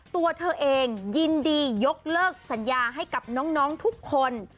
ตัวเธอเองยินดียกเลิกสัญญาให้กับน้องทุกคน